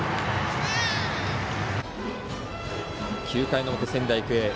９回の表、仙台育英。